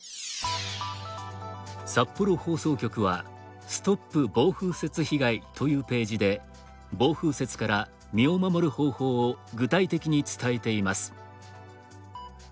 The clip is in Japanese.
札幌放送局は「ストップ暴風雪被害」というページで暴風雪から身を守る方法を具体的に伝えています。